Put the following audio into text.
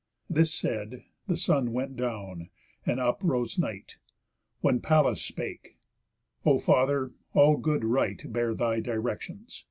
This said, the Sun went down, and up rose Night, When Pallas spake: "O father, all good right Bear thy directions.